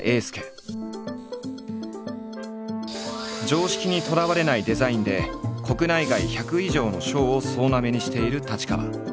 常識にとらわれないデザインで国内外１００以上の賞を総なめにしている太刀川。